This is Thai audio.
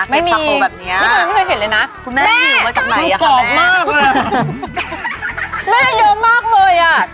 ไม่มีไม่เคยเห็นเลยนะคุณแม่ไม่รู้ว่าจากไหนอ่ะค่ะแม่เยอะมากเลยอ่ะ